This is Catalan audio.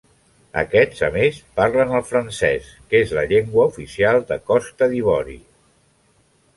Aquests, a més, parlen el francès, que és la llengua oficial de Costa d'Ivori.